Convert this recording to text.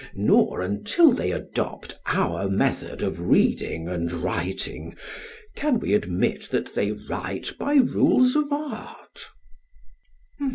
Nor, until they adopt our method of reading and writing, can we admit that they write by rules of art?